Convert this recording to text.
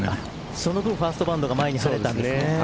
その分ファーストバウンドが前に跳ねたんですね。